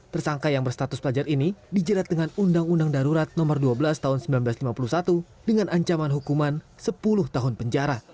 tersangka yang berstatus pelajar ini dijerat dengan undang undang darurat nomor dua belas tahun seribu sembilan ratus lima puluh satu dengan ancaman hukuman sepuluh tahun penjara